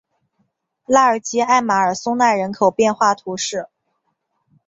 拉尔吉艾马尔松奈人口变化图示